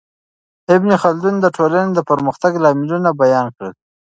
ابن خلدون د ټولنې د پرمختګ لاملونه بیان کړل.